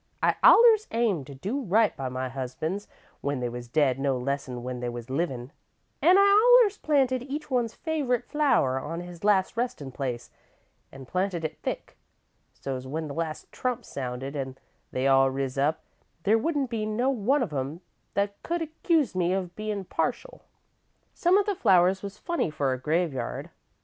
I allers aimed to do right by my husbands when they was dead no less 'n when they was livin', an' I allers planted each one's favourite flower on his last restin' place, an' planted it thick, so 's when the last trump sounded an' they all riz up, there wouldn't be no one of 'em that could accuse me of bein' partial. "Some of the flowers was funny for a graveyard.